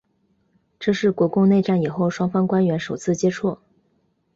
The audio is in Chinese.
这是国共内战以后双方官员首次接触。